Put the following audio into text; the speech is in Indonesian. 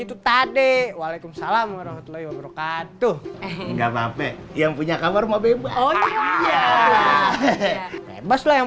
itu tadi waalaikumsalam warahmatullahi wabarakatuh enggak mampir yang punya kamar mau bebas lah yang